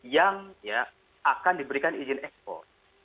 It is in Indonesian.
yang akan diberikan izin ekspor